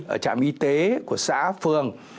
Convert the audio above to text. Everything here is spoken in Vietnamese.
ở trạm y tế của xã phường